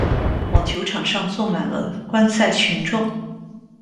网球场上坐满了观赛群众。